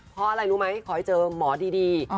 เพราะอะไรรู้ไหมขอให้เจอหมอดี